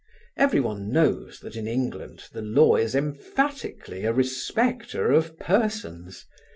Everyone knows that in England the law is emphatically a respecter of persons.